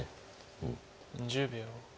１０秒。